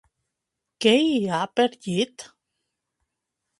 Què hi ha per llit?